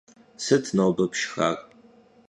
Sıt nobe pşşxar?